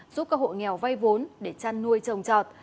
giúp các hộ nghèo vay vốn để chăn nuôi trồng trọt